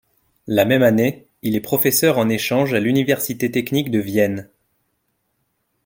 La même année, il est professeur en échange à l’Université technique de Vienne.